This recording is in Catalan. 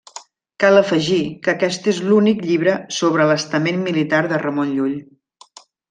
Cal afegir, que aquest és l'únic llibre sobre l'estament militar de Ramon Llull.